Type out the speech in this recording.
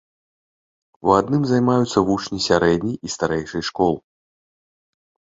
У адным займаюцца вучні сярэдняй і старэйшай школ.